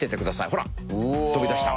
ほら飛び出した。